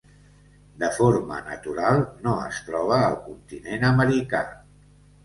De forma natural, no es troba al continent americà.